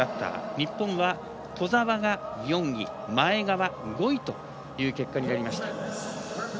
日本は、兎澤が４位前川、５位という結果になりました。